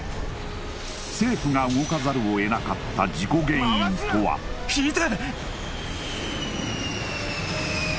政府が動かざるを得なかった事故原因とは引いて！